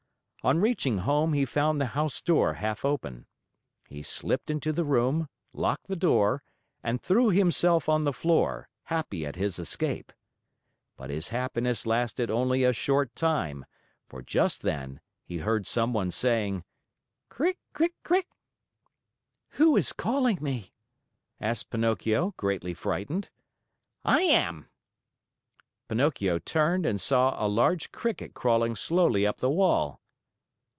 On reaching home, he found the house door half open. He slipped into the room, locked the door, and threw himself on the floor, happy at his escape. But his happiness lasted only a short time, for just then he heard someone saying: "Cri cri cri!" "Who is calling me?" asked Pinocchio, greatly frightened. "I am!" Pinocchio turned and saw a large cricket crawling slowly up the wall.